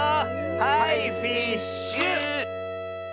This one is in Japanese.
はいフィッシュ！